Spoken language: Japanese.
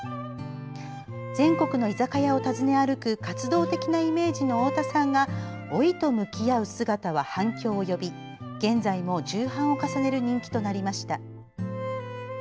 全国の居酒屋を訪ね歩く活動的なイメージの太田さんが老いと向き合う姿は反響を呼び現在も重版を重ねる人気となりました。